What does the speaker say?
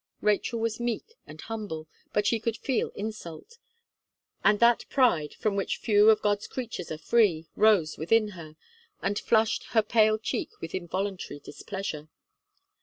Rachel was meek and humble; but she could feel insult; and that pride, from which few of God's creatures are free, rose within her, and flushed her pale cheek with involuntary displeasure.